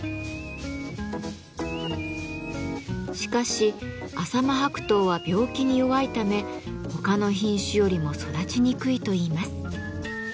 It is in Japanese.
しかし浅間白桃は病気に弱いため他の品種よりも育ちにくいといいます。